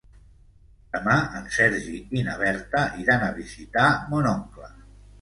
Demà en Sergi i na Berta iran a visitar mon oncle.